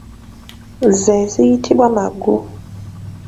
Ze ziyitibwa magu.